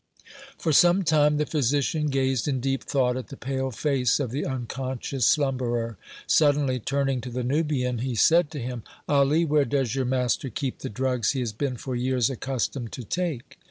For some time the physician gazed in deep thought at the pale face of the unconscious slumberer. Suddenly turning to the Nubian, he said to him: "Ali, where does your master keep the drugs he has been for years accustomed to take?"